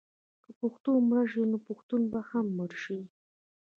که پښتو مړه شي نو پښتون به هم مړ شي.